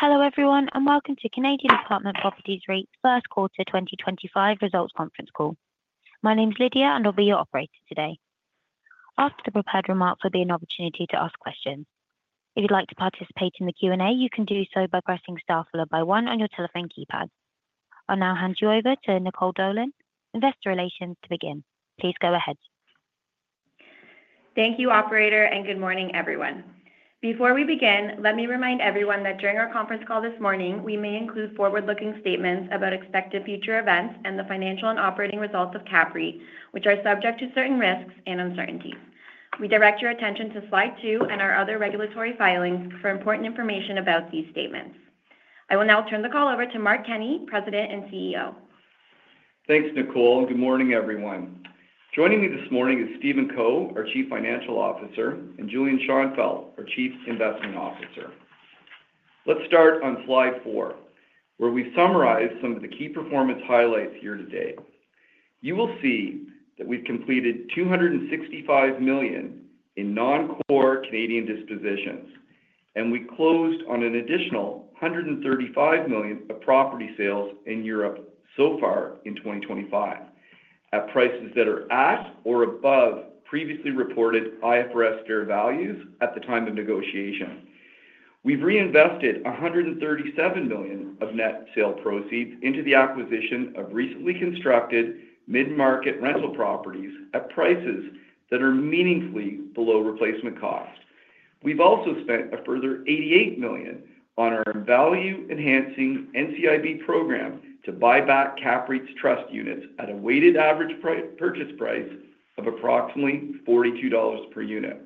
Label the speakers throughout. Speaker 1: Hello everyone, and welcome to Canadian Apartment Properties REIT's first quarter 2025 results conference call. My name's Lydia, and I'll be your operator today. After the prepared remarks, there'll be an opportunity to ask questions. If you'd like to participate in the Q&A, you can do so by pressing star followed by one on your telephone keypad. I'll now hand you over to Nicole Dolan, Investor Relations, to begin. Please go ahead.
Speaker 2: Thank you, Operator, and good morning, everyone. Before we begin, let me remind everyone that during our conference call this morning, we may include forward-looking statements about expected future events and the financial and operating results of CAPREIT, which are subject to certain risks and uncertainties. We direct your attention to slide two and our other regulatory filings for important information about these statements. I will now turn the call over to Mark Kenney, President and CEO.
Speaker 3: Thanks, Nicole. Good morning, everyone. Joining me this morning is Stephen Co, our Chief Financial Officer, and Julian Schonfeldt, our Chief Investment Officer. Let's start on slide four, where we summarize some of the key performance highlights here today. You will see that we've completed 265 million in non-core Canadian dispositions, and we closed on an additional 135 million of property sales in Europe so far in 2025 at prices that are at or above previously reported IFRS fair values at the time of negotiation. We've reinvested 137 million of net sale proceeds into the acquisition of recently constructed mid-market rental properties at prices that are meaningfully below replacement cost. We've also spent a further 88 million on our value-enhancing NCIB program to buy back CAPREIT's trust units at a weighted average purchase price of approximately 42 dollars per unit.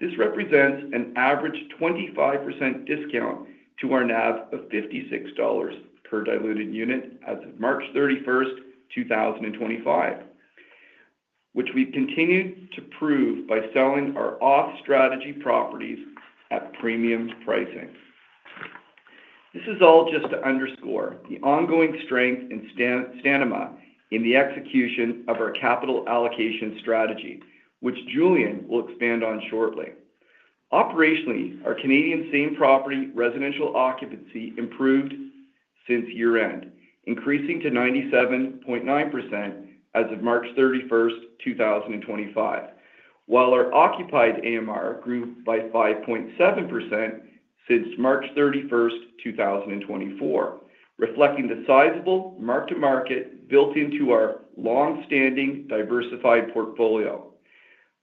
Speaker 3: This represents an average 25% discount to our NAV of 56 dollars per diluted unit as of March 31, 2025, which we've continued to prove by selling our off-strategy properties at premium pricing. This is all just to underscore the ongoing strength and standing stamina in the execution of our capital allocation strategy, which Julian will expand on shortly. Operationally, our Canadian Same Property Residential Occupancy improved since year-end, increasing to 97.9% as of March 31, 2025, while our Occupied AMR grew by 5.7% since March 31, 2024, reflecting the sizable mark-to-market built into our long-standing diversified portfolio.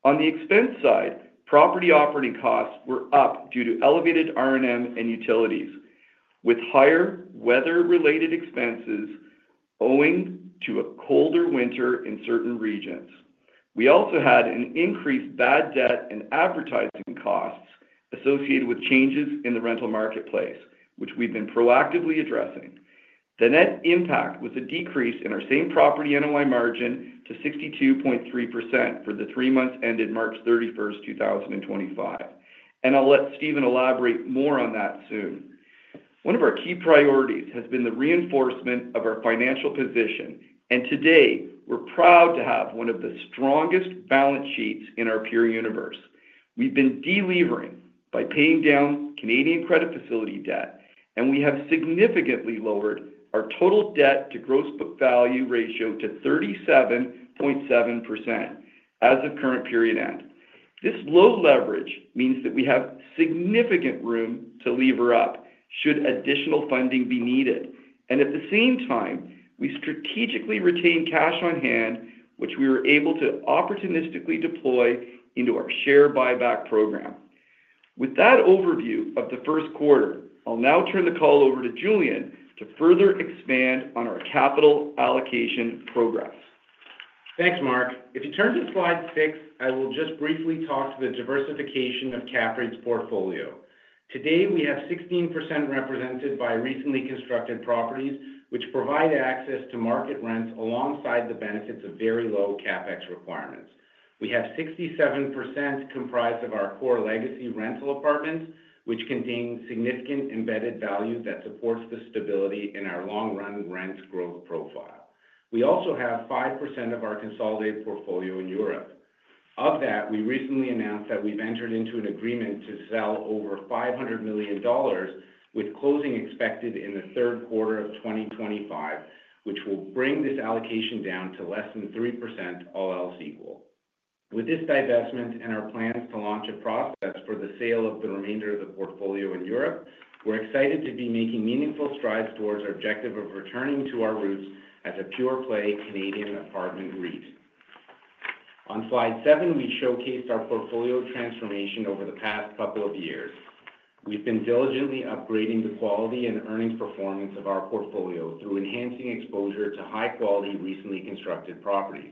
Speaker 3: On the expense side, property operating costs were up due to elevated R&M and utilities, with higher weather-related expenses owing to a colder winter in certain regions. We also had an increased bad debt and advertising costs associated with changes in the rental marketplace, which we've been proactively addressing. The net impact was a decrease in our Same Property NOI margin to 62.3% for the three months ended March 31, 2025, and I'll let Stephen elaborate more on that soon. One of our key priorities has been the reinforcement of our financial position, and today we're proud to have one of the strongest balance sheets in our peer universe. We've been delivering by paying down Canadian credit facility debt, and we have significantly lowered our total debt-to-gross book value ratio to 37.7% as of current period end. This low leverage means that we have significant room to lever up should additional funding be needed, and at the same time, we strategically retained cash on hand, which we were able to opportunistically deploy into our share buyback program. With that overview of the first quarter, I'll now turn the call over to Julian to further expand on our capital allocation program.
Speaker 4: Thanks, Mark. If you turn to slide six, I will just briefly talk to the diversification of CAPREIT's portfolio. Today, we have 16% represented by recently constructed properties, which provide access to market rents alongside the benefits of very low CapEx requirements. We have 67% comprised of our core legacy rental apartments, which contain significant embedded value that supports the stability in our long-run rent growth profile. We also have 5% of our consolidated portfolio in Europe. Of that, we recently announced that we've entered into an agreement to sell over 500 million dollars, with closing expected in the third quarter of 2025, which will bring this allocation down to less than 3%, all else equal. With this divestment and our plans to launch a process for the sale of the remainder of the portfolio in Europe, we're excited to be making meaningful strides towards our objective of returning to our roots as a pure-play Canadian apartment REIT. On slide seven, we showcased our portfolio transformation over the past couple of years. We've been diligently upgrading the quality and earnings performance of our portfolio through enhancing exposure to high-quality recently constructed properties.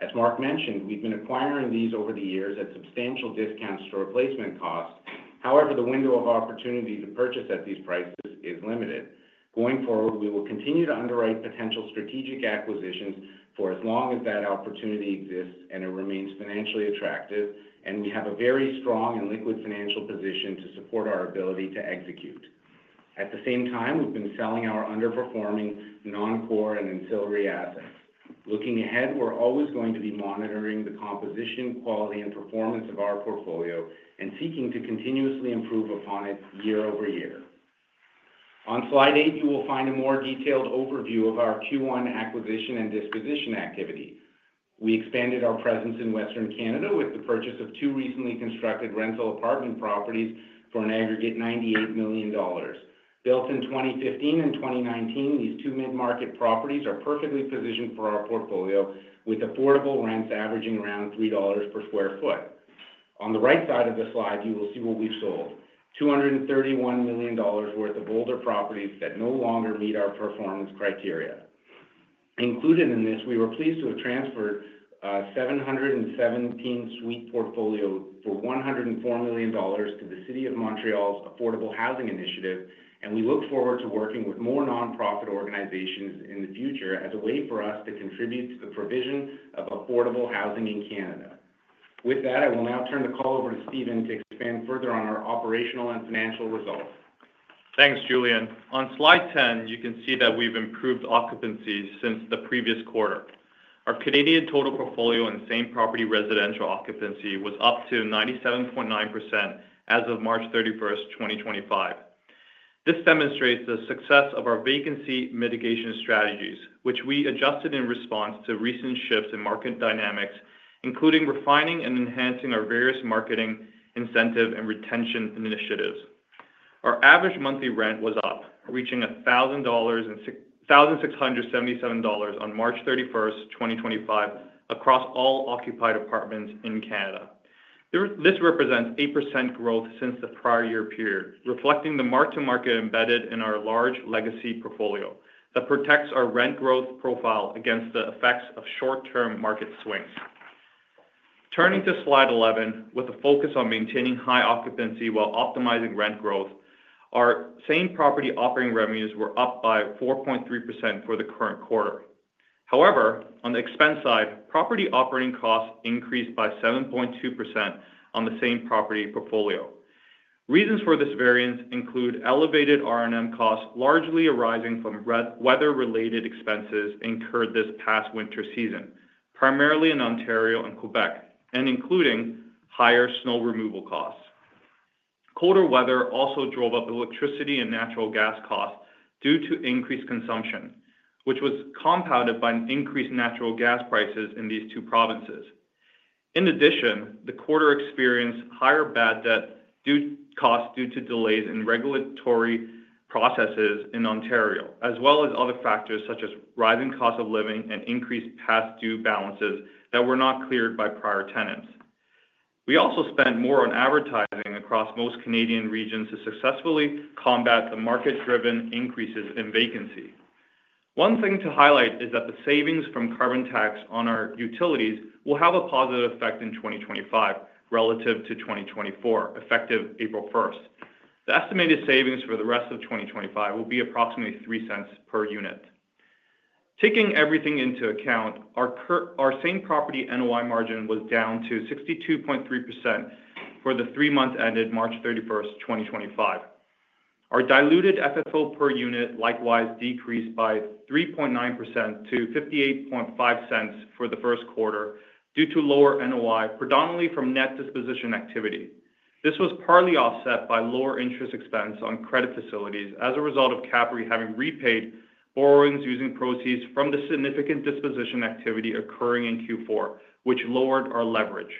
Speaker 4: As Mark mentioned, we've been acquiring these over the years at substantial discounts to replacement costs. However, the window of opportunity to purchase at these prices is limited. Going forward, we will continue to underwrite potential strategic acquisitions for as long as that opportunity exists and it remains financially attractive, and we have a very strong and liquid financial position to support our ability to execute. At the same time, we've been selling our underperforming non-core and ancillary assets. Looking ahead, we're always going to be monitoring the composition, quality, and performance of our portfolio and seeking to continuously improve upon it year-over year. On slide eight, you will find a more detailed overview of our Q1 acquisition and disposition activity. We expanded our presence in Western Canada with the purchase of two recently constructed rental apartment properties for an aggregate 98 million dollars. Built in 2015 and 2019, these two mid-market properties are perfectly positioned for our portfolio, with affordable rents averaging around 3 dollars per sq ft. On the right side of the slide, you will see what we've sold: 231 million dollars worth of older properties that no longer meet our performance criteria. Included in this, we were pleased to have transferred a 717-suite portfolio for 104 million dollars to the City of Montreal's Affordable Housing Initiative, and we look forward to working with more nonprofit organizations in the future as a way for us to contribute to the provision of affordable housing in Canada. With that, I will now turn the call over to Stephen to expand further on our operational and financial results.
Speaker 5: Thanks, Julian. On slide 10, you can see that we've improved occupancy since the previous quarter. Our Canadian total portfolio in Same Property Residential Occupancy was up to 97.9% as of March 31, 2025. This demonstrates the success of our vacancy mitigation strategies, which we adjusted in response to recent shifts in market dynamics, including refining and enhancing our various marketing incentive and retention initiatives. Our average monthly rent was up, reaching 1,677 dollars on March 31, 2025, across all occupied apartments in Canada. This represents 8% growth since the prior year period, reflecting the mark-to-market embedded in our large legacy portfolio that protects our rent growth profile against the effects of short-term market swings. Turning to slide 11, with a focus on maintaining high occupancy while optimizing rent growth, our Same Property Operating Revenues were up by 4.3% for the current quarter. However, on the expense side, property operating costs increased by 7.2% on the Same Property portfolio. Reasons for this variance include elevated R&M costs largely arising from weather-related expenses incurred this past winter season, primarily in Ontario and Quebec, and including higher snow removal costs. Colder weather also drove up electricity and natural gas costs due to increased consumption, which was compounded by increased natural gas prices in these two provinces. In addition, the quarter experienced higher bad debt costs due to delays in regulatory processes in Ontario, as well as other factors such as rising costs of living and increased past due balances that were not cleared by prior tenants. We also spent more on advertising across most Canadian regions to successfully combat the market-driven increases in vacancy. One thing to highlight is that the savings from carbon tax on our utilities will have a positive effect in 2025 relative to 2024, effective April 1st. The estimated savings for the rest of 2025 will be approximately 0.03 per unit. Taking everything into account, our Same Property NOI margin was down to 62.3% for the three months ended March 31st, 2025. Our diluted FFO per unit likewise decreased by 3.9% to 0.58 for the first quarter due to lower NOI, predominantly from net disposition activity. This was partly offset by lower interest expense on credit facilities as a result of CAPREIT having repaid borrowings using proceeds from the significant disposition activity occurring in Q4, which lowered our leverage.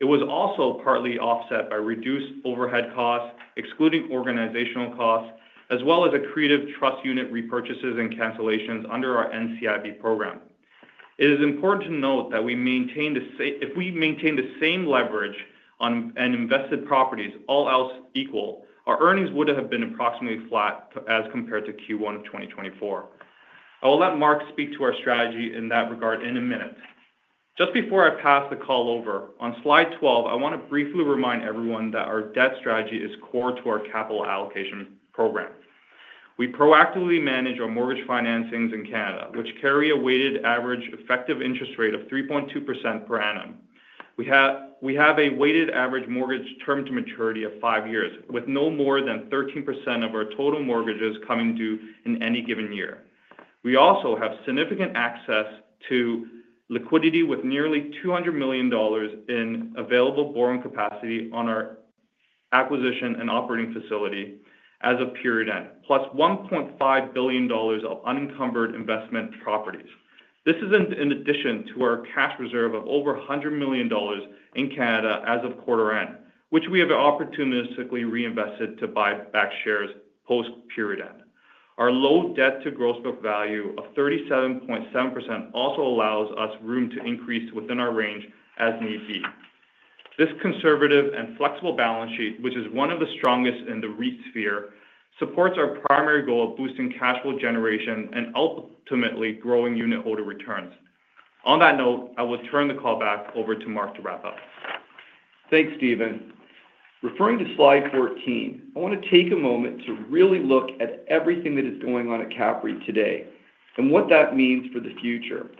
Speaker 5: It was also partly offset by reduced overhead costs, excluding organizational costs, as well as accretive trust unit repurchases and cancellations under our NCIB program. It is important to note that if we maintained the same leverage on invested properties, all else equal, our earnings would have been approximately flat as compared to Q1 of 2024. I will let Mark speak to our strategy in that regard in a minute. Just before I pass the call over, on slide 12, I want to briefly remind everyone that our debt strategy is core to our capital allocation program. We proactively manage our mortgage financings in Canada, which carry a weighted average effective interest rate of 3.2% per annum. We have a weighted average mortgage term to maturity of five years, with no more than 13% of our total mortgages coming due in any given year. We also have significant access to liquidity with nearly 200 million dollars in available borrowing capacity on our acquisition and operating facility as of period end, plus 1.5 billion dollars of unencumbered investment properties. This is in addition to our cash reserve of over 100 million dollars in Canada as of quarter end, which we have opportunistically reinvested to buy back shares post-period end. Our low debt-to-gross book value of 37.7% also allows us room to increase within our range as need be. This conservative and flexible balance sheet, which is one of the strongest in the REIT sphere, supports our primary goal of boosting cash flow generation and ultimately growing unit holder returns. On that note, I will turn the call back over to Mark to wrap up.
Speaker 3: Thanks, Stephen. Referring to slide 14, I want to take a moment to really look at everything that is going on at CAPREIT today and what that means for the future,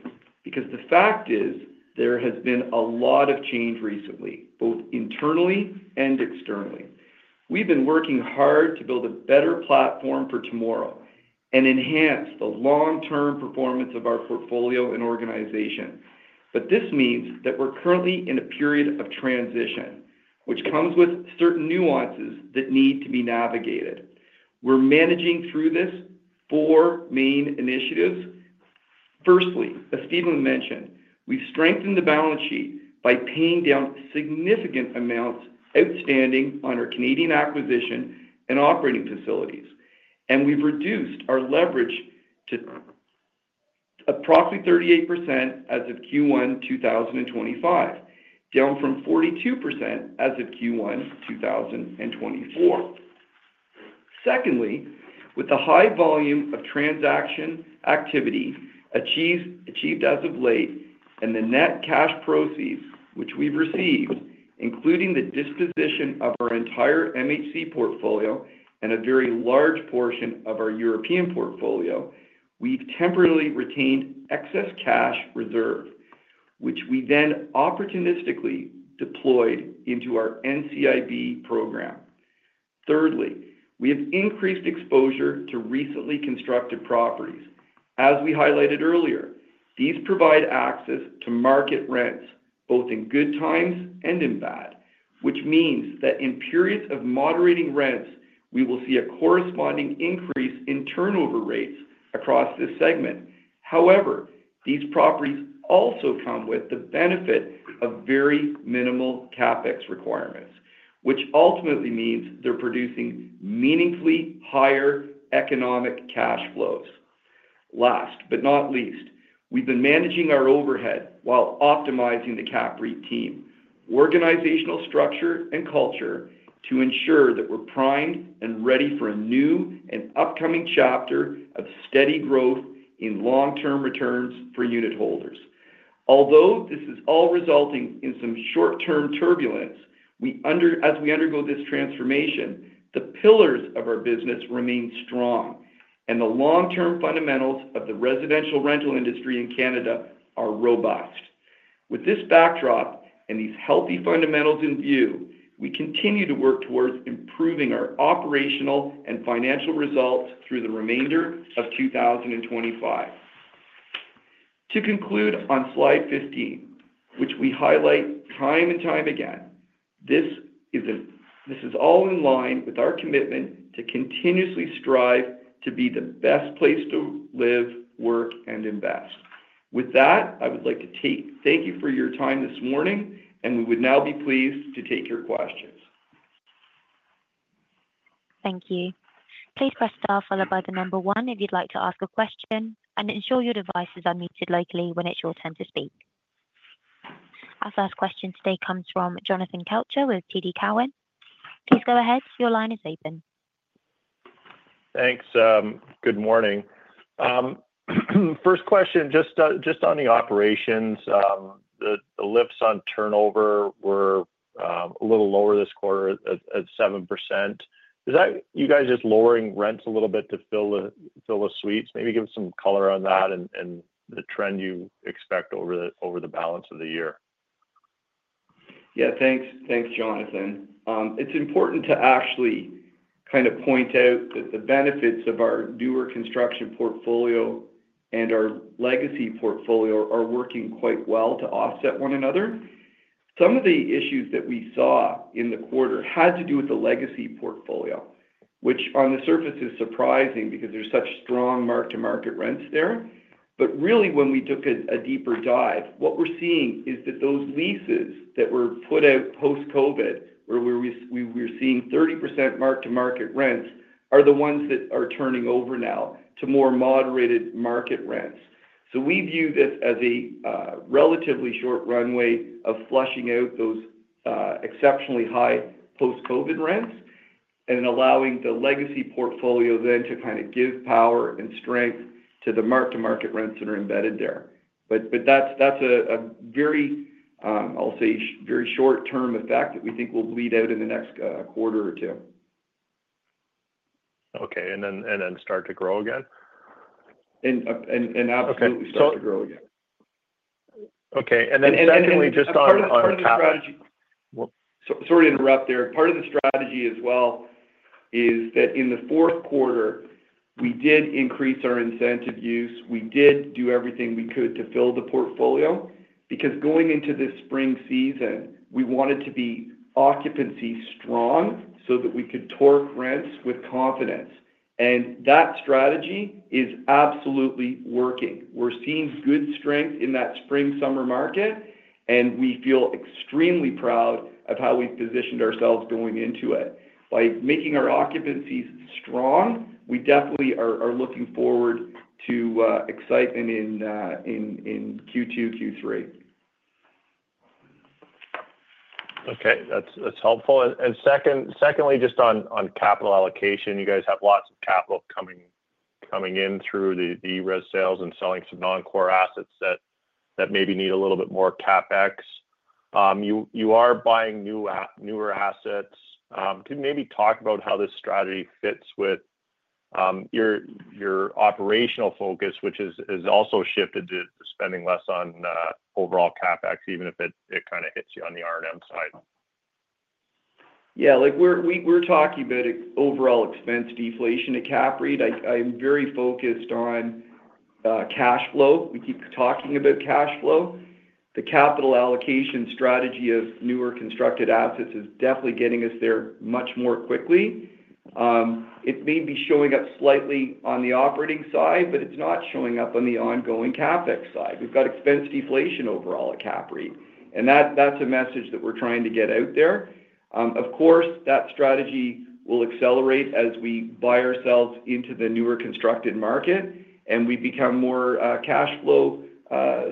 Speaker 3: because the fact is there has been a lot of change recently, both internally and externally. We've been working hard to build a better platform for tomorrow and enhance the long-term performance of our portfolio and organization, but this means that we're currently in a period of transition, which comes with certain nuances that need to be navigated. We're managing through this four main initiatives. Firstly, as Stephen mentioned, we've strengthened the balance sheet by paying down significant amounts outstanding on our Canadian acquisition and operating facilities, and we've reduced our leverage to approximately 38% as of Q1 2025, down from 42% as of Q1 2024. Secondly, with the high volume of transaction activity achieved as of late and the net cash proceeds which we've received, including the disposition of our entire MHC portfolio and a very large portion of our European portfolio, we've temporarily retained excess cash reserve, which we then opportunistically deployed into our NCIB program. Thirdly, we have increased exposure to recently constructed properties. As we highlighted earlier, these provide access to market rents both in good times and in bad, which means that in periods of moderating rents, we will see a corresponding increase in turnover rates across this segment. However, these properties also come with the benefit of very minimal CapEx requirements, which ultimately means they're producing meaningfully higher economic cash flows. Last but not least, we've been managing our overhead while optimizing the CAPREIT team, organizational structure, and culture to ensure that we're primed and ready for a new and upcoming chapter of steady growth in long-term returns for unit holders. Although this is all resulting in some short-term turbulence, as we undergo this transformation, the pillars of our business remain strong, and the long-term fundamentals of the residential rental industry in Canada are robust. With this backdrop and these healthy fundamentals in view, we continue to work towards improving our operational and financial results through the remainder of 2025. To conclude on slide 15, which we highlight time and time again, this is all in line with our commitment to continuously strive to be the best place to live, work, and invest. With that, I would like to thank you for your time this morning, and we would now be pleased to take your questions.
Speaker 1: Thank you. Please press star followed by the number one if you'd like to ask a question, and ensure your devices are muted locally when it's your turn to speak. Our first question today comes from Jonathan Kelcher with TD Cowen. Please go ahead. Your line is open.
Speaker 6: Thanks. Good morning. First question, just on the operations, the lifts on turnover were a little lower this quarter at 7%. Is that you guys just lowering rents a little bit to fill the suites? Maybe give us some color on that and the trend you expect over the balance of the year.
Speaker 3: Yeah, thanks, Jonathan. It's important to actually kind of point out that the benefits of our newer construction portfolio and our legacy portfolio are working quite well to offset one another. Some of the issues that we saw in the quarter had to do with the legacy portfolio, which on the surface is surprising because there's such strong mark-to-market rents there. Really, when we took a deeper dive, what we're seeing is that those leases that were put out post-COVID, where we were seeing 30% mark-to-market rents, are the ones that are turning over now to more moderated market rents. We view this as a relatively short runway of flushing out those exceptionally high post-COVID rents and allowing the legacy portfolio then to kind of give power and strength to the mark-to-market rents that are embedded there. That is a very, I'll say, very short-term effect that we think will bleed out in the next quarter or two.
Speaker 6: Okay. And then start to grow again?
Speaker 3: Absolutely start to grow again.
Speaker 6: Okay. And then secondly, just on CAPREIT.
Speaker 3: Sorry to interrupt there. Part of the strategy as well is that in the fourth quarter, we did increase our incentive use. We did do everything we could to fill the portfolio because going into this spring season, we wanted to be occupancy strong so that we could torque rents with confidence. That strategy is absolutely working. We're seeing good strength in that spring-summer market, and we feel extremely proud of how we've positioned ourselves going into it. By making our occupancies strong, we definitely are looking forward to excitement in Q2, Q3.
Speaker 6: Okay. That's helpful. Secondly, just on capital allocation, you guys have lots of capital coming in through the res sales and selling some non-core assets that maybe need a little bit more CapEx. You are buying newer assets. Can you maybe talk about how this strategy fits with your operational focus, which has also shifted to spending less on overall CapEx, even if it kind of hits you on the R&M side?
Speaker 3: Yeah. We're talking about overall expense deflation at CAPREIT. I am very focused on cash flow. We keep talking about cash flow. The capital allocation strategy of newer constructed assets is definitely getting us there much more quickly. It may be showing up slightly on the operating side, but it's not showing up on the ongoing CapEx side. We've got expense deflation overall at CAPREIT, and that's a message that we're trying to get out there. Of course, that strategy will accelerate as we buy ourselves into the newer constructed market and we become more cash flow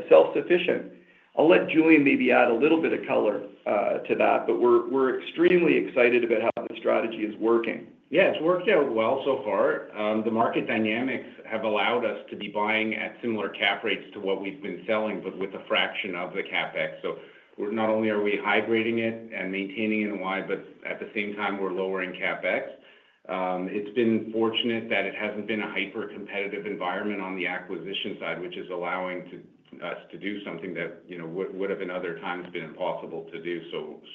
Speaker 3: self-sufficient. I'll let Julian maybe add a little bit of color to that, but we're extremely excited about how the strategy is working.
Speaker 4: Yeah, it's worked out well so far. The market dynamics have allowed us to be buying at similar cap rates to what we've been selling, but with a fraction of the CapEx. So not only are we hydrating it and maintaining NOI, but at the same time, we're lowering CapEx. It's been fortunate that it hasn't been a hyper-competitive environment on the acquisition side, which is allowing us to do something that would have in other times been impossible to do.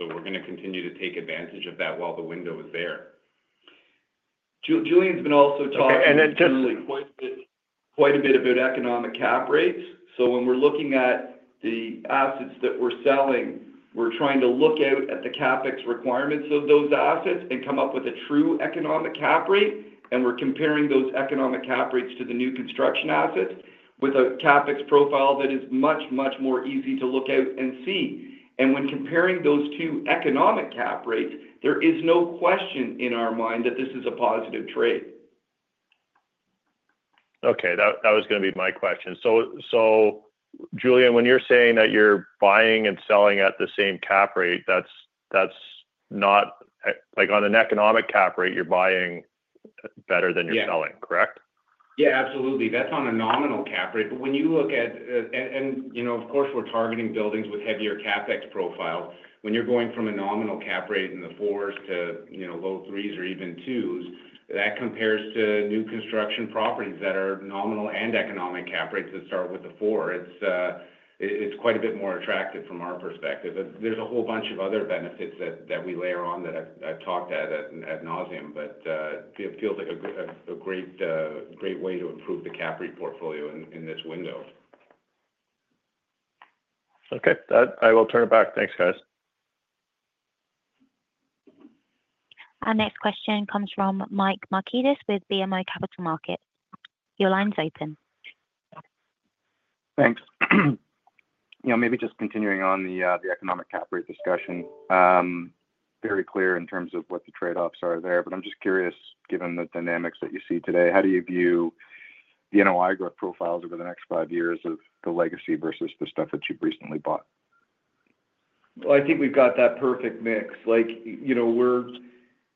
Speaker 4: We're going to continue to take advantage of that while the window is there.
Speaker 3: Julian's been also talking quite a bit about economic cap rates. When we're looking at the assets that we're selling, we're trying to look at the CapEx requirements of those assets and come up with a true economic cap rate. We're comparing those economic cap rates to the new construction assets with a CapEx profile that is much, much more easy to look at and see. When comparing those two economic cap rates, there is no question in our mind that this is a positive trade.
Speaker 6: Okay. That was going to be my question. So Julian, when you're saying that you're buying and selling at the same cap rate, that's not like on an economic cap rate, you're buying better than you're selling, correct?
Speaker 4: Yeah, absolutely. That's on a nominal cap rate. When you look at, and of course, we're targeting buildings with heavier CapEx profiles. When you're going from a nominal cap rate in the fours to low threes or even twos, that compares to new construction properties that are nominal and economic cap rates that start with the four. It's quite a bit more attractive from our perspective. There's a whole bunch of other benefits that we layer on that I've talked at at nauseam, but it feels like a great way to improve the CapEx portfolio in this window.
Speaker 6: Okay. I will turn it back. Thanks, guys.
Speaker 1: Our next question comes from Mike Markidis with BMO Capital Markets. Your line's open.
Speaker 7: Thanks. Maybe just continuing on the economic cap rate discussion, very clear in terms of what the trade-offs are there. I am just curious, given the dynamics that you see today, how do you view the NOI growth profiles over the next five years of the legacy versus the stuff that you have recently bought?
Speaker 3: I think we've got that perfect Mike. We're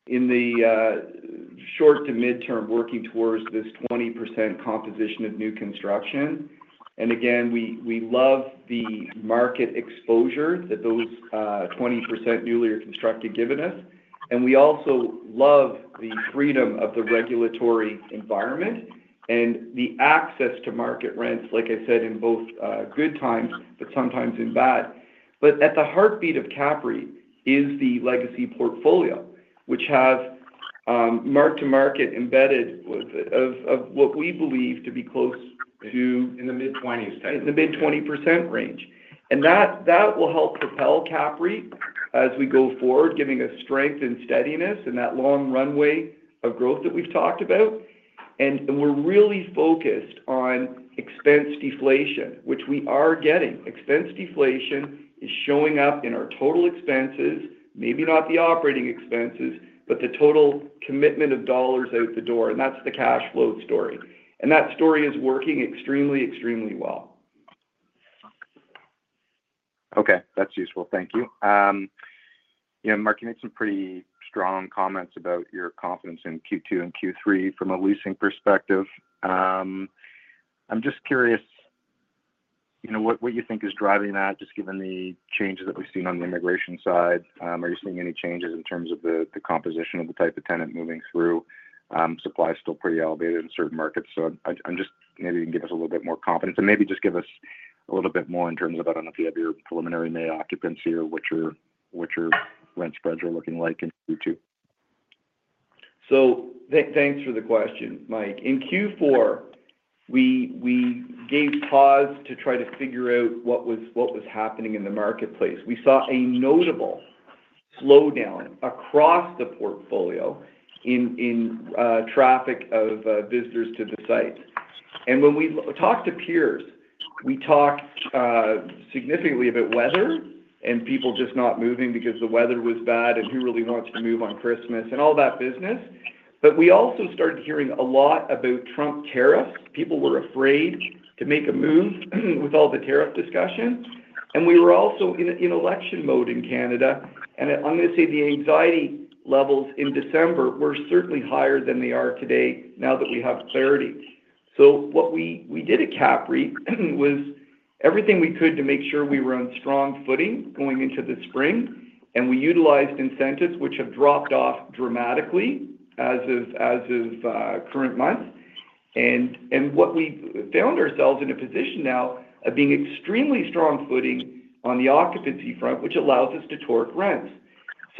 Speaker 3: in the short to midterm working towards this 20% composition of new construction. Again, we love the market exposure that those 20% newly constructed have given us. We also love the freedom of the regulatory environment and the access to market rents, like I said, in both good times, but sometimes in bad. At the heartbeat of CAPREIT is the legacy portfolio, which has mark-to-market embedded of what we believe to be close to. In the mid-20s type. In the mid-20% range. That will help propel CAPREIT as we go forward, giving us strength and steadiness in that long runway of growth that we've talked about. We are really focused on expense deflation, which we are getting. Expense deflation is showing up in our total expenses, maybe not the operating expenses, but the total commitment of dollars out the door. That is the cash flow story. That story is working extremely, extremely well.
Speaker 7: Okay. That's useful. Thank you. Mark made some pretty strong comments about your confidence in Q2 and Q3 from a leasing perspective. I'm just curious what you think is driving that, just given the changes that we've seen on the immigration side. Are you seeing any changes in terms of the composition of the type of tenant moving through? Supply is still pretty elevated in certain markets. I'm just maybe you can give us a little bit more confidence and maybe just give us a little bit more in terms of I don't know if you have your preliminary May occupancy or what your rent spreads are looking like in Q2.
Speaker 3: Thanks for the question, Mike. In Q4, we gave pause to try to figure out what was happening in the marketplace. We saw a notable slowdown across the portfolio in traffic of visitors to the site. When we talked to peers, we talked significantly about weather and people just not moving because the weather was bad and who really wants to move on Christmas and all that business. We also started hearing a lot about Trump tariffs. People were afraid to make a move with all the tariff discussion. We were also in election mode in Canada. I'm going to say the anxiety levels in December were certainly higher than they are today now that we have clarity. What we did at CAPREIT was everything we could to make sure we were on strong footing going into the spring. We utilized incentives, which have dropped off dramatically as of current month. What we found ourselves in a position now of being extremely strong footing on the occupancy front, which allows us to torque rents.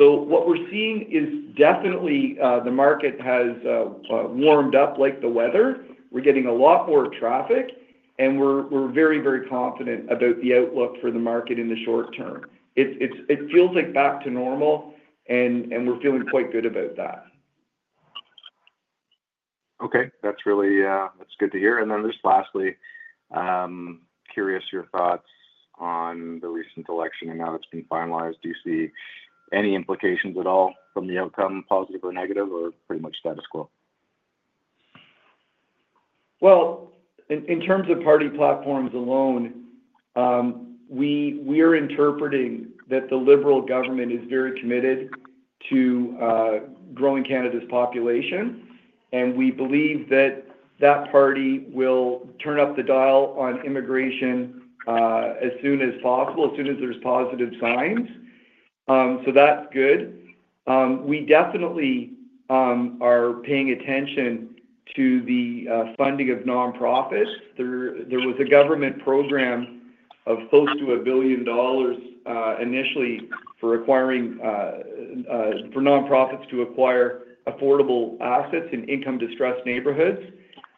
Speaker 3: What we are seeing is definitely the market has warmed up like the weather. We are getting a lot more traffic, and we are very, very confident about the outlook for the market in the short term. It feels like back to normal, and we are feeling quite good about that.
Speaker 7: Okay. That's good to hear. Lastly, curious your thoughts on the recent election and how it's been finalized. Do you see any implications at all from the outcome, positive or negative, or pretty much status quo?
Speaker 3: In terms of party platforms alone, we are interpreting that the Liberal government is very committed to growing Canada's population. We believe that that party will turn up the dial on immigration as soon as possible, as soon as there's positive signs. That is good. We definitely are paying attention to the funding of nonprofits. There was a government program of close to 1 billion dollars initially for nonprofits to acquire affordable assets in income-distressed neighborhoods.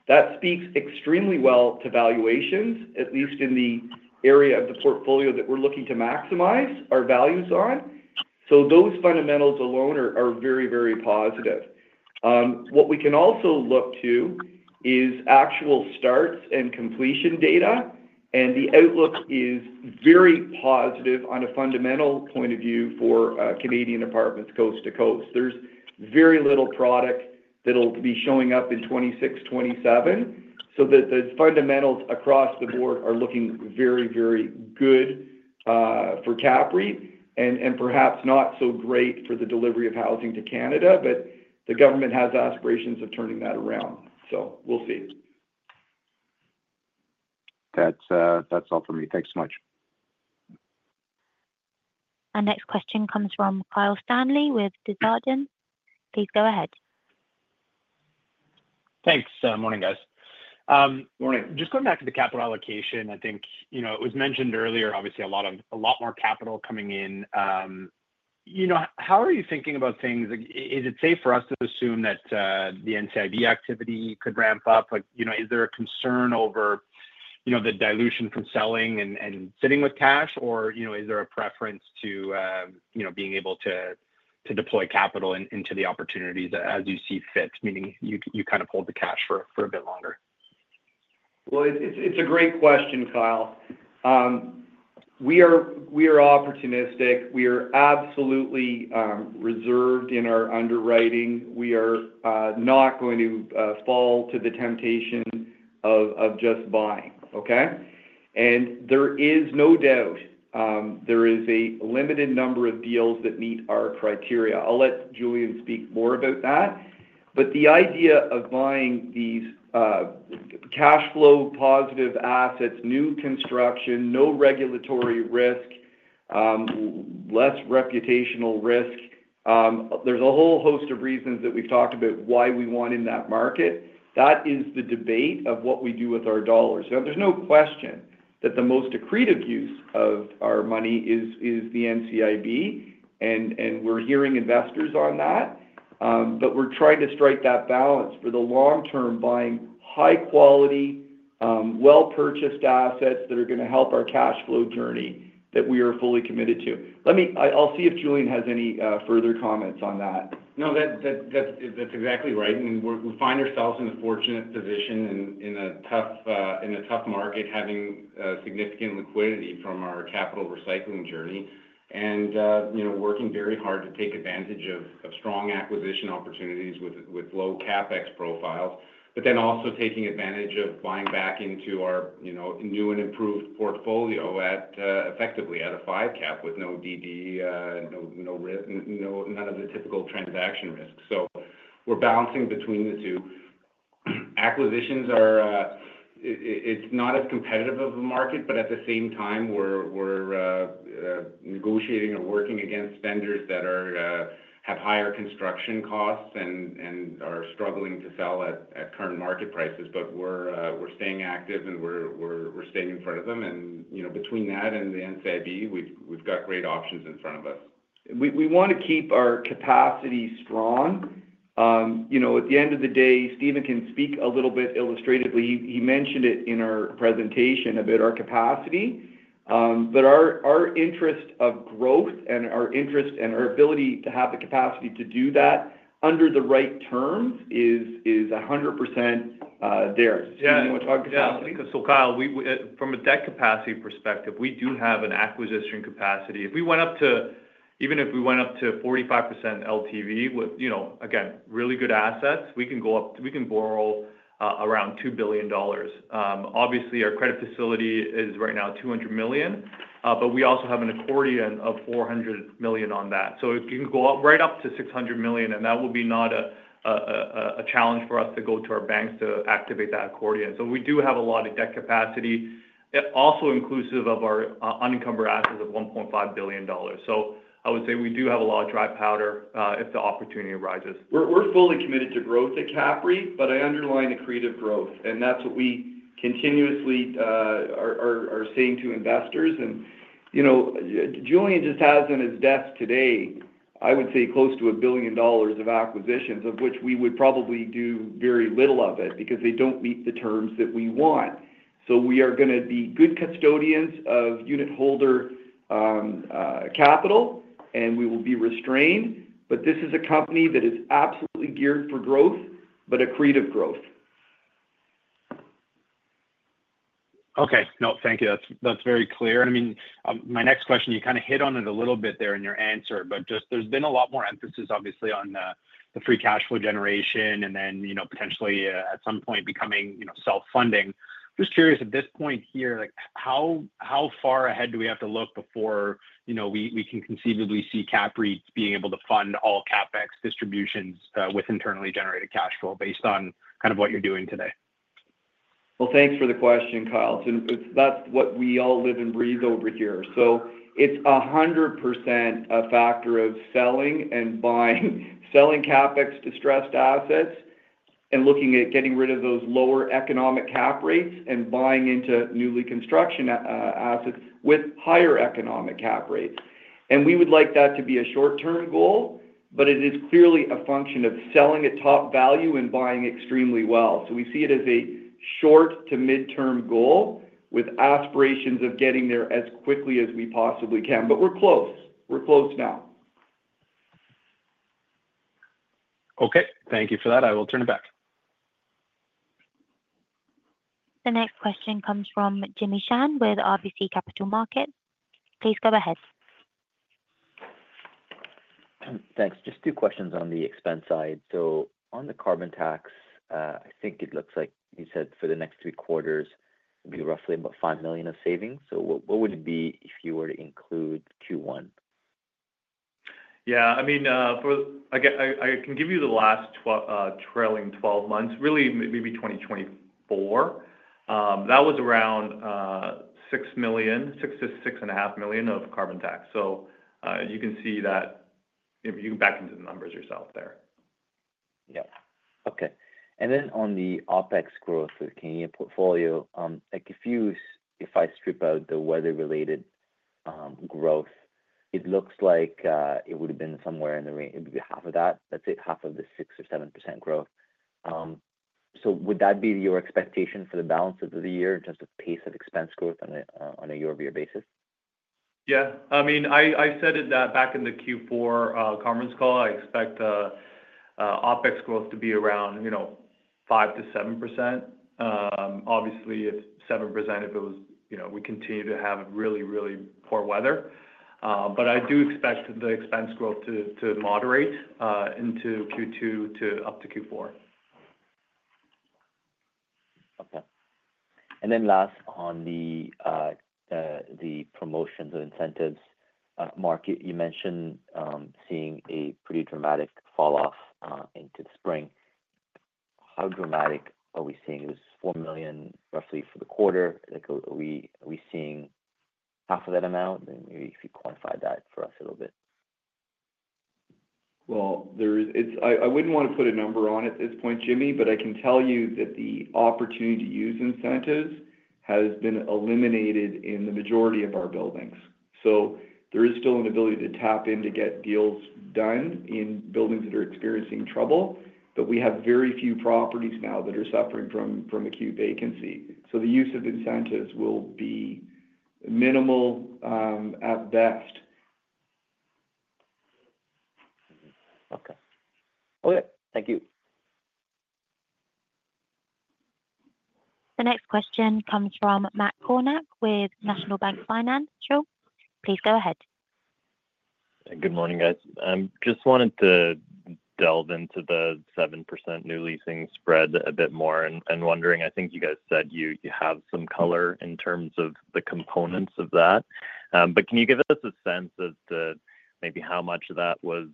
Speaker 3: That speaks extremely well to valuations, at least in the area of the portfolio that we're looking to maximize our values on. Those fundamentals alone are very, very positive. What we can also look to is actual starts and completion data. The outlook is very positive on a fundamental point of view for Canadian Apartment Properties Coast to Coast. There is very little product that will be showing up in 2026, 2027. The fundamentals across the board are looking very, very good for CAPREIT and perhaps not so great for the delivery of housing to Canada. The government has aspirations of turning that around. We'll see.
Speaker 7: That's all from me. Thanks so much.
Speaker 1: Our next question comes from Kyle Stanley with Desjardins. Please go ahead.
Speaker 8: Thanks. Morning, guys. Morning. Just going back to the capital allocation, I think it was mentioned earlier, obviously, a lot more capital coming in. How are you thinking about things? Is it safe for us to assume that the NCIB activity could ramp up? Is there a concern over the dilution from selling and sitting with cash, or is there a preference to being able to deploy capital into the opportunities as you see fit, meaning you kind of hold the cash for a bit longer?
Speaker 3: It is a great question, Kyle. We are opportunistic. We are absolutely reserved in our underwriting. We are not going to fall to the temptation of just buying, okay? There is no doubt there is a limited number of deals that meet our criteria. I will let Julian speak more about that. The idea of buying these cash flow positive assets, new construction, no regulatory risk, less reputational risk, there is a whole host of reasons that we have talked about why we want in that market. That is the debate of what we do with our dollars. There is no question that the most accretive use of our money is the NCIB. We are hearing investors on that. We are trying to strike that balance for the long term, buying high-quality, well-purchased assets that are going to help our cash flow journey that we are fully committed to. I'll see if Julian has any further comments on that.
Speaker 4: No, that's exactly right. We find ourselves in a fortunate position in a tough market, having significant liquidity from our capital recycling journey and working very hard to take advantage of strong acquisition opportunities with low CapEx profiles, but then also taking advantage of buying back into our new and improved portfolio effectively at a five cap with no DB, none of the typical transaction risks. We are balancing between the two. Acquisitions, it's not as competitive of a market, but at the same time, we are negotiating or working against vendors that have higher construction costs and are struggling to sell at current market prices. We are staying active and we are staying in front of them. Between that and the NCIB, we have great options in front of us.
Speaker 3: We want to keep our capacity strong. At the end of the day, Stephen can speak a little bit illustratively. He mentioned it in our presentation about our capacity. Our interest of growth and our ability to have the capacity to do that under the right terms is 100% there. Do you want to talk about that?
Speaker 4: Yeah. So Kyle, from a debt capacity perspective, we do have an acquisition capacity. If we went up to, even if we went up to 45% LTV, again, really good assets, we can borrow around 2 billion dollars. Obviously, our credit facility is right now 200 million, but we also have an accordion of 400 million on that. It can go right up to 600 million. That will be not a challenge for us to go to our banks to activate that accordion. We do have a lot of debt capacity, also inclusive of our unencumbered assets of 1.5 billion dollars. I would say we do have a lot of dry powder if the opportunity arises.
Speaker 3: We're fully committed to growth at CAPREIT, but I underline accretive growth. That's what we continuously are saying to investors. Julian just has on his desk today, I would say, close to 1 billion dollars of acquisitions, of which we would probably do very little of it because they do not meet the terms that we want. We are going to be good custodians of unitholder capital, and we will be restrained. This is a company that is absolutely geared for growth, but accretive growth.
Speaker 7: Okay. No, thank you. That's very clear. I mean, my next question, you kind of hit on it a little bit there in your answer, but just there's been a lot more emphasis, obviously, on the free cash flow generation and then potentially, at some point, becoming self-funding. Just curious, at this point here, how far ahead do we have to look before we can conceivably see CAPREIT being able to fund all CapEx distributions with internally generated cash flow based on kind of what you're doing today?
Speaker 3: Thanks for the question, Kyle. That's what we all live and breathe over here. It's 100% a factor of selling and buying CapEx distressed assets and looking at getting rid of those lower economic cap rates and buying into newly constructed assets with higher economic cap rates. We would like that to be a short-term goal, but it is clearly a function of selling at top value and buying extremely well. We see it as a short to midterm goal with aspirations of getting there as quickly as we possibly can. We're close. We're close now.
Speaker 6: Okay. Thank you for that. I will turn it back.
Speaker 1: The next question comes from Jimmy Shan with RBC Capital Markets. Please go ahead.
Speaker 9: Thanks. Just two questions on the expense side. On the carbon tax, I think it looks like you said for the next three quarters, it'd be roughly about 5 million of savings. What would it be if you were to include Q1?
Speaker 3: Yeah. I mean, I can give you the last trailing 12 months, really maybe 2024. That was around 6 million, 6-6.5 million of carbon tax. You can see that you can back into the numbers yourself there.
Speaker 9: Yeah. Okay. And then on the OpEx growth with Canadian portfolio, if I strip out the weather-related growth, it looks like it would have been somewhere in the half of that. That's half of the 6% or 7% growth. Would that be your expectation for the balance of the year in terms of pace of expense growth on a year-over-year basis?
Speaker 3: Yeah. I mean, I said it back in the Q4 conference call. I expect OpEx growth to be around 5-7%. Obviously, it's 7% if we continue to have really, really poor weather. I do expect the expense growth to moderate into Q2 to up to Q4.
Speaker 9: Okay. Then last, on the promotions and incentives market, you mentioned seeing a pretty dramatic falloff into the spring. How dramatic are we seeing? It was 4 million roughly for the quarter. Are we seeing half of that amount? Maybe if you quantify that for us a little bit.
Speaker 4: I wouldn't want to put a number on it at this point, Jimmy, but I can tell you that the opportunity to use incentives has been eliminated in the majority of our buildings. There is still an ability to tap in to get deals done in buildings that are experiencing trouble. We have very few properties now that are suffering from acute vacancy. The use of incentives will be minimal at best.
Speaker 9: Okay. Okay. Thank you.
Speaker 1: The next question comes from Matt Kornack with National Bank Financial. Please go ahead.
Speaker 9: Good morning, guys. I just wanted to delve into the 7% new leasing spread a bit more and wondering. I think you guys said you have some color in terms of the components of that. Can you give us a sense of maybe how much of that was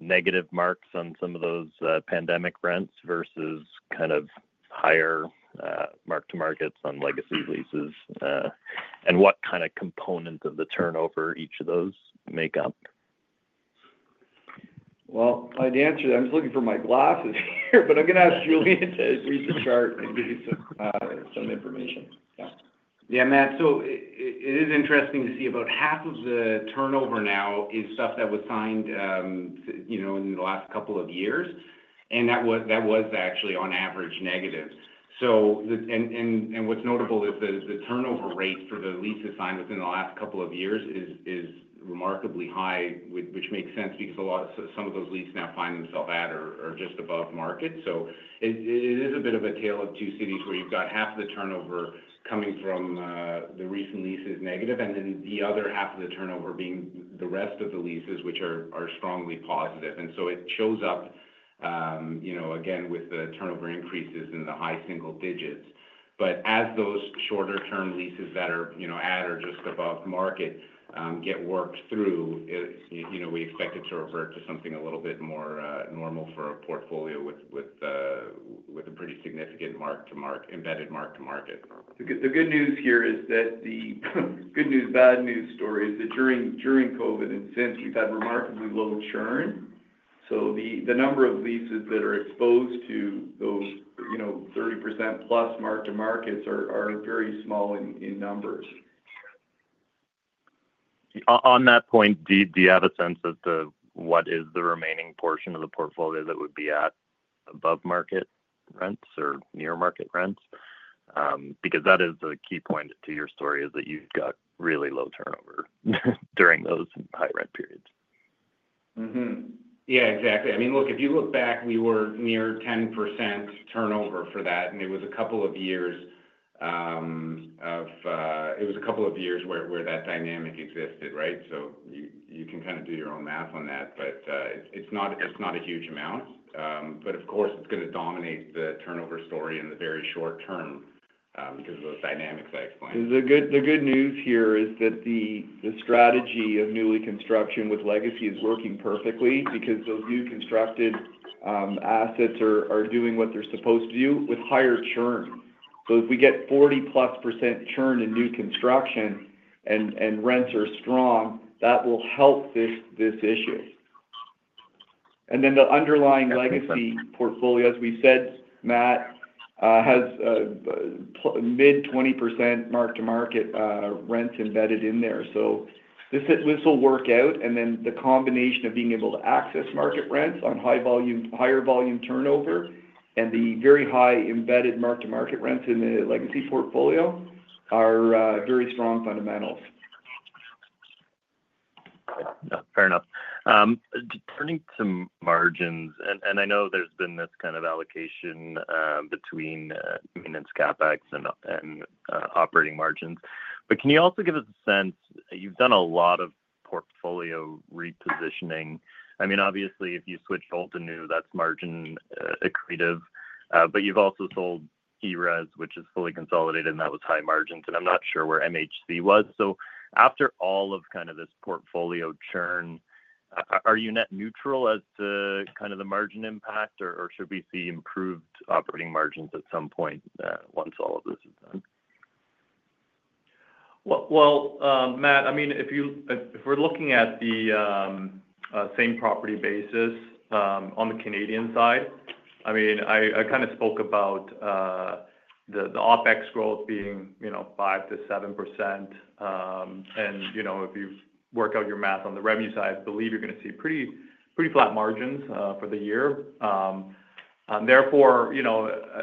Speaker 9: negative marks on some of those pandemic rents versus kind of higher mark-to-markets on legacy leases? What kind of components of the turnover each of those make up?
Speaker 3: I'd answer that. I'm just looking for my glasses here, but I'm going to ask Julian to read the chart and give you some information. Yeah.
Speaker 4: Yeah, Matt. It is interesting to see about half of the turnover now is stuff that was signed in the last couple of years. That was actually on average negative. What is notable is that the turnover rate for the leases signed within the last couple of years is remarkably high, which makes sense because some of those leases now find themselves at or just above market. It is a bit of a tale of two cities where you have got half of the turnover coming from the recent leases negative and then the other half of the turnover being the rest of the leases, which are strongly positive. It shows up, again, with the turnover increases in the high single digits. As those shorter-term leases that are at or just above market get worked through, we expect it to revert to something a little bit more normal for a portfolio with a pretty significant embedded mark-to-market.
Speaker 3: The good news here is that the good news, bad news story is that during COVID and since we've had remarkably low churn. So the number of leases that are exposed to those 30% plus mark-to-markets are very small in numbers.
Speaker 10: On that point, do you have a sense of what is the remaining portion of the portfolio that would be at above market rents or near market rents? Because that is the key point to your story is that you've got really low turnover during those high rent periods.
Speaker 3: Yeah, exactly. I mean, look, if you look back, we were near 10% turnover for that. And it was a couple of years of it was a couple of years where that dynamic existed, right? You can kind of do your own math on that, but it's not a huge amount. Of course, it's going to dominate the turnover story in the very short term because of those dynamics I explained. The good news here is that the strategy of newly construction with legacy is working perfectly because those new constructed assets are doing what they're supposed to do with higher churn. If we get 40-plus % churn in new construction and rents are strong, that will help this issue. The underlying legacy portfolio, as we said, Matt, has mid-20% mark-to-market rents embedded in there. This will work out. The combination of being able to access market rents on higher volume turnover and the very high embedded mark-to-market rents in the legacy portfolio are very strong fundamentals.
Speaker 10: Fair enough. Turning to margins, and I know there's been this kind of allocation between maintenance CapEx and operating margins. Can you also give us a sense? You've done a lot of portfolio repositioning. I mean, obviously, if you switched old to new, that's margin accretive. You've also sold KeyRez, which is fully consolidated, and that was high margins. I'm not sure where MHC was. After all of kind of this portfolio churn, are you net neutral as to kind of the margin impact, or should we see improved operating margins at some point once all of this is done?
Speaker 4: Matt, I mean, if we're looking at the same property basis on the Canadian side, I mean, I kind of spoke about the OpEx growth being 5-7%. And if you work out your math on the revenue side, I believe you're going to see pretty flat margins for the year. Therefore,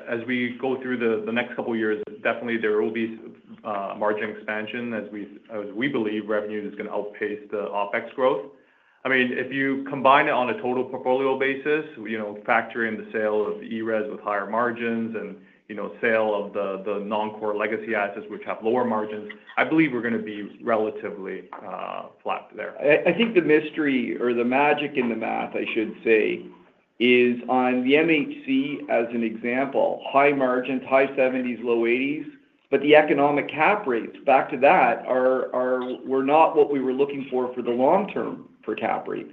Speaker 4: as we go through the next couple of years, definitely there will be margin expansion as we believe revenue is going to outpace the OpEx growth. I mean, if you combine it on a total portfolio basis, factor in the sale of EREZ with higher margins and sale of the non-core legacy assets, which have lower margins, I believe we're going to be relatively flat there.
Speaker 3: I think the mystery or the magic in the math, I should say, is on the MHC as an example, high margins, high 70s, low 80s, but the economic cap rates, back to that, were not what we were looking for for CAPREIT.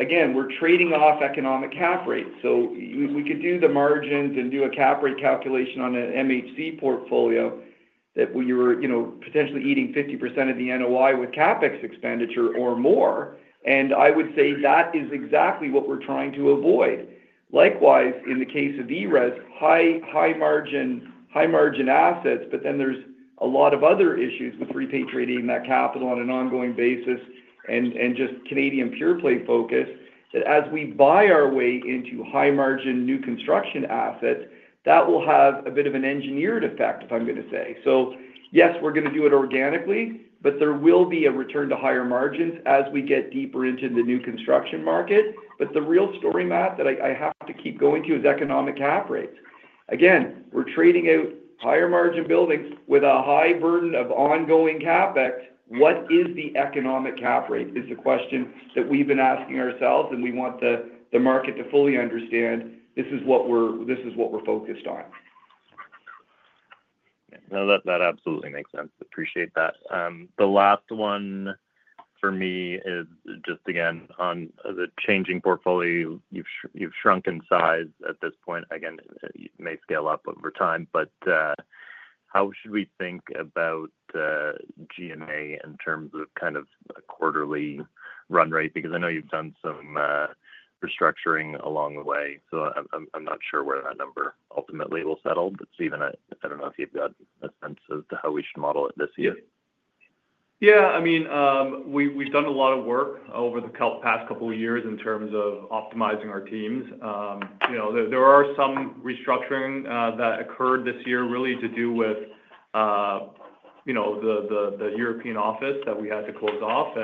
Speaker 3: Again, we're trading off economic cap rates. We could do the margins and do a CAPREIT calculation on an MHC portfolio that we were potentially eating 50% of the NOI with CapEx expenditure or more. I would say that is exactly what we're trying to avoid. Likewise, in the case of EREZ, high margin assets, but then there's a lot of other issues with repatriating that capital on an ongoing basis and just Canadian pure play focus that as we buy our way into high margin new construction assets, that will have a bit of an engineered effect, if I'm going to say. Yes, we're going to do it organically, but there will be a return to higher margins as we get deeper into the new construction market. The real story, Matt, that I have to keep going to is economic cap rates. Again, we're trading out higher margin buildings with a high burden of ongoing CapEx. What is the economic cap rate is the question that we've been asking ourselves, and we want the market to fully understand this is what we're focused on.
Speaker 10: No, that absolutely makes sense. Appreciate that. The last one for me is just, again, on the changing portfolio, you've shrunk in size at this point. Again, it may scale up over time, but how should we think about G&A in terms of kind of a quarterly run rate? Because I know you've done some restructuring along the way. So I'm not sure where that number ultimately will settle. But Stephen, I don't know if you've got a sense as to how we should model it this year.
Speaker 5: Yeah. I mean, we've done a lot of work over the past couple of years in terms of optimizing our teams. There are some restructuring that occurred this year really to do with the European office that we had to close off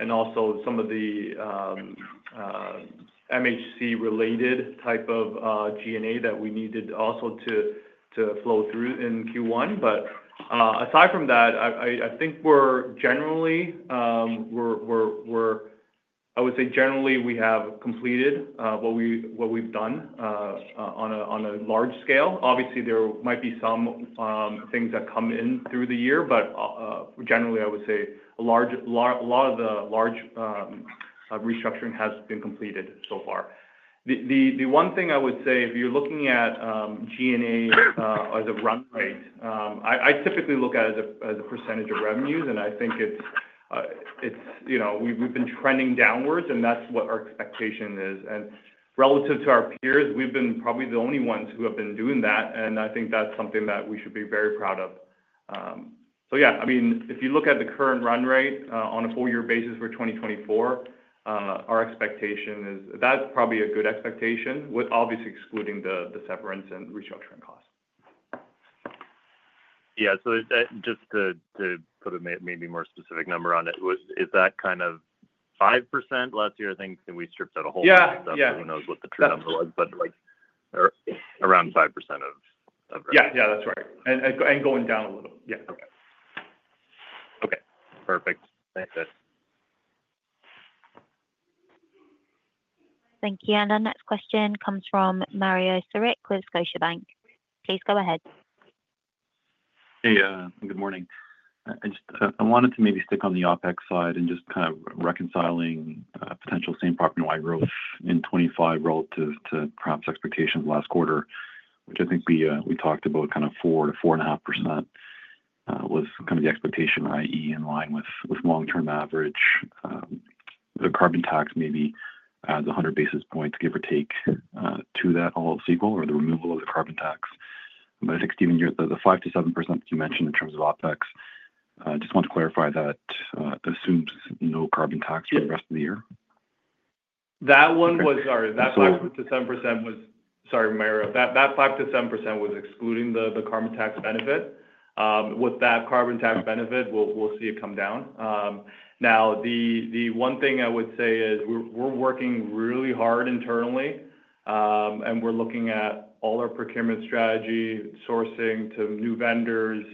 Speaker 5: and also some of the MHC-related type of G&A that we needed also to flow through in Q1. Aside from that, I think we're generally, I would say generally, we have completed what we've done on a large scale. Obviously, there might be some things that come in through the year, but generally, I would say a lot of the large restructuring has been completed so far. The one thing I would say, if you're looking at G&A as a run rate, I typically look at it as a percentage of revenues, and I think we've been trending downwards, and that's what our expectation is. Relative to our peers, we've been probably the only ones who have been doing that, and I think that's something that we should be very proud of. Yeah, I mean, if you look at the current run rate on a four-year basis for 2024, our expectation is that's probably a good expectation, obviously excluding the separate and restructuring costs.
Speaker 10: Yeah. Just to put a maybe more specific number on it, is that kind of 5% last year? I think we stripped out a whole bunch of stuff. Who knows what the true number was, but around 5% of revenue.
Speaker 5: Yeah, that's right. Going down a little. Yeah.
Speaker 10: Okay. Okay. Perfect. Thanks, guys.
Speaker 1: Thank you. Our next question comes from Mario Saric with Scotiabank. Please go ahead.
Speaker 11: Hey, good morning. I wanted to maybe stick on the OpEx side and just kind of reconciling potential same property NOI growth in 2025 relative to perhaps expectations last quarter, which I think we talked about kind of 4-4.5% was kind of the expectation, i.e., in line with long-term average. The carbon tax maybe adds 100 basis points, give or take, to that all of 2024 or the removal of the carbon tax. I think, Stephen, the 5-7% that you mentioned in terms of OpEx, I just want to clarify that assumes no carbon tax for the rest of the year.
Speaker 3: That one was our 5-7% was sorry, Mario. That 5-7% was excluding the carbon tax benefit. With that carbon tax benefit, we'll see it come down. Now, the one thing I would say is we're working really hard internally, and we're looking at all our procurement strategy, sourcing to new vendors,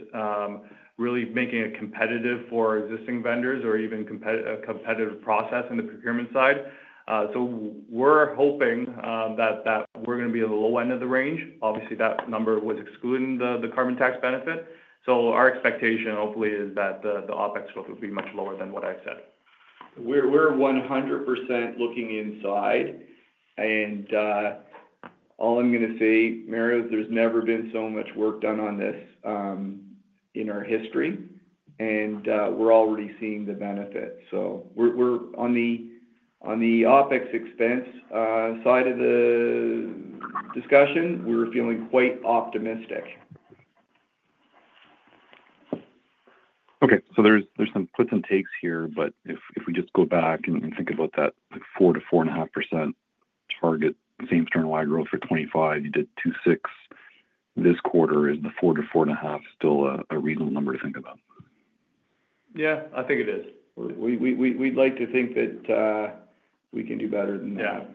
Speaker 3: really making it competitive for existing vendors or even a competitive process on the procurement side. We're hoping that we're going to be in the low end of the range. Obviously, that number was excluding the carbon tax benefit. Our expectation, hopefully, is that the OpEx growth would be much lower than what I've said.
Speaker 4: We're 100% looking inside. All I'm going to say, Mario, there's never been so much work done on this in our history, and we're already seeing the benefit. On the OpEx expense side of the discussion, we were feeling quite optimistic.
Speaker 11: Okay. So there's some quits and takes here, but if we just go back and think about that 4-4.5% target, same turn why growth for 2025, you did 2.6% this quarter. Is the 4-4.5% still a reasonable number to think about?
Speaker 3: Yeah, I think it is. We'd like to think that we can do better than that.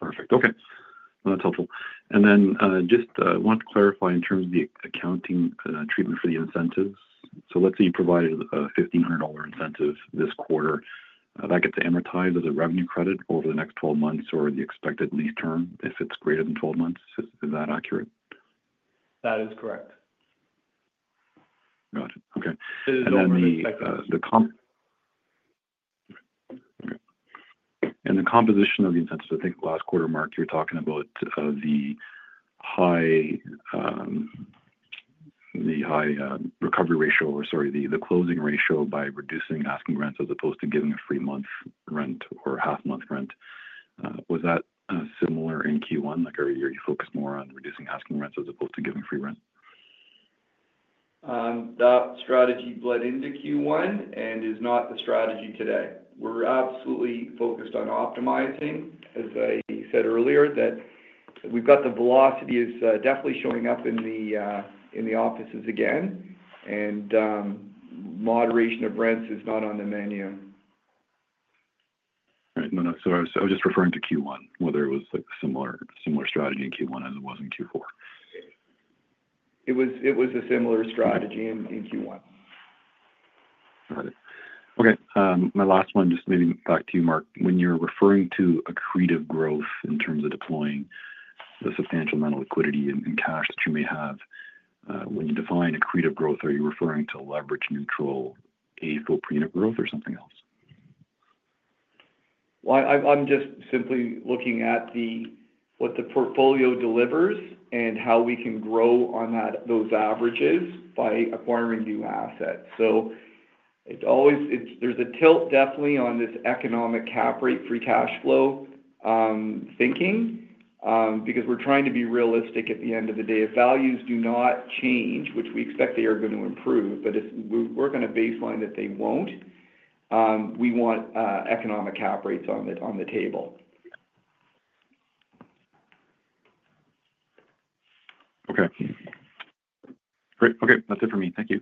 Speaker 11: Perfect. Okay. That is helpful. I just want to clarify in terms of the accounting treatment for the incentives. Let's say you provided a 1,500 dollar incentive this quarter. That gets amortized as a revenue credit over the next 12 months or the expected lease term if it is greater than 12 months. Is that accurate?
Speaker 3: That is correct.
Speaker 11: Got it. Okay. And then the.
Speaker 3: It is more expensive.
Speaker 11: Okay. The composition of the incentives, I think last quarter, Mark, you were talking about the high recovery ratio or, sorry, the closing ratio by reducing asking rents as opposed to giving a free month rent or half-month rent. Was that similar in Q1? Like earlier, you focused more on reducing asking rents as opposed to giving free rent?
Speaker 3: That strategy bled into Q1 and is not the strategy today. We're absolutely focused on optimizing, as I said earlier, that we've got the velocity is definitely showing up in the offices again, and moderation of rents is not on the menu.
Speaker 11: Right. No, no. I was just referring to Q1, whether it was a similar strategy in Q1 as it was in Q4.
Speaker 3: It was a similar strategy in Q1.
Speaker 11: Got it. Okay. My last one, just maybe back to you, Mark. When you're referring to accretive growth in terms of deploying the substantial amount of liquidity and cash that you may have, when you define accretive growth, are you referring to leverage neutral, a full pre-unit growth, or something else?
Speaker 3: I am just simply looking at what the portfolio delivers and how we can grow on those averages by acquiring new assets. There is a tilt definitely on this economic cap rate, free cash flow thinking because we are trying to be realistic at the end of the day. If values do not change, which we expect they are going to improve, but if we work on a baseline that they will not, we want economic cap rates on the table.
Speaker 11: Okay. Great. Okay. That's it for me. Thank you.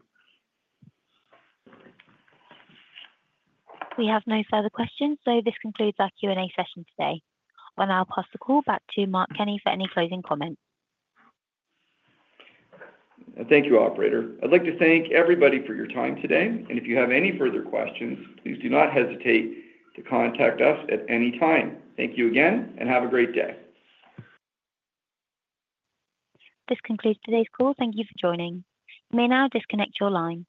Speaker 1: We have no further questions. This concludes our Q&A session today. I'll now pass the call back to Mark Kenney for any closing comments.
Speaker 3: Thank you, operator. I'd like to thank everybody for your time today. If you have any further questions, please do not hesitate to contact us at any time. Thank you again, and have a great day.
Speaker 1: This concludes today's call. Thank you for joining. You may now disconnect your line.